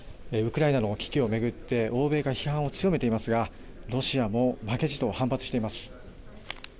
ウクライナの危機を巡って欧米が批判を強めていますがロシアも負けじと反発しています。